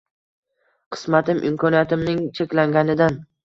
Qismatim — imkoniyatimning cheklanganidan.